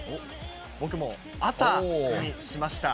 僕も朝にしました。